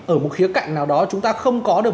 ở một khía cạnh nào đó chúng ta không có được